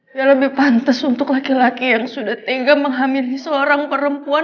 dia lebih pantas untuk laki laki yang sudah tega menghamil seorang perempuan